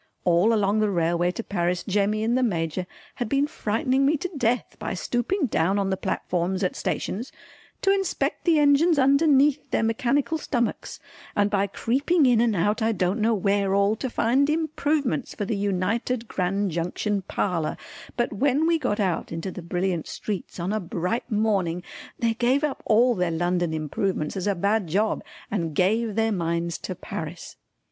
All along the railway to Paris Jemmy and the Major had been frightening me to death by stooping down on the platforms at stations to inspect the engines underneath their mechanical stomachs, and by creeping in and out I don't know where all, to find improvements for the United Grand Junction Parlour, but when we got out into the brilliant streets on a bright morning they gave up all their London improvements as a bad job and gave their minds to Paris.